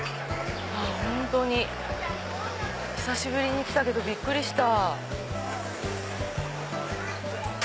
本当に久しぶりに来たけどびっくりした。